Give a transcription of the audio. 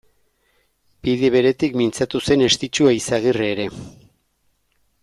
Bide beretik mintzatu zen Estitxu Eizagirre ere.